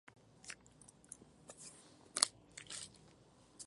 Se encuentra en Indonesia Malasia Timor Oriental y Filipinas.